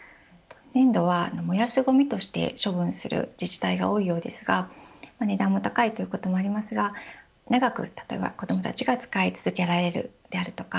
粘土は燃やすごみとして処分する自治体が多いようですが値段が高いということもありますが長く例えば子どもたちが使い続けられる、であるとか